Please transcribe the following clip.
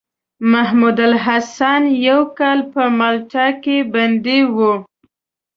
محمودالحسن يو کال په مالټا کې بندي وو.